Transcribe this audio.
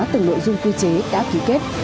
từng nội dung quy chế đã ký kết